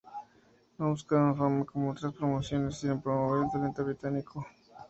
No buscaban fama como otras promociones, si no promover el talento británico.